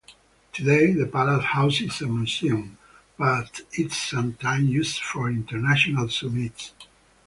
Today the palace houses a museum, but it is sometimes used for international summits.